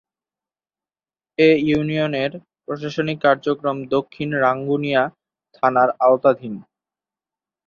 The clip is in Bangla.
এ ইউনিয়নের প্রশাসনিক কার্যক্রম দক্ষিণ রাঙ্গুনিয়া থানার আওতাধীন।